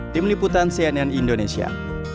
tim liputan sianian indonesia